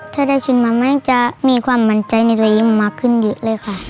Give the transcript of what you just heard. ถ้าได้ชื่นมาแม่งจะมีความมั่นใจนิดนึงมากขึ้นอยู่เลยค่ะ